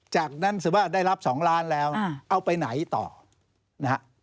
จากนั้นสมมติได้รับ๒ล้านแล้วเอาไปไหนต่อนะครับ